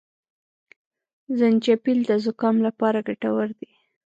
زنجپيل د زکام لپاره ګټور دي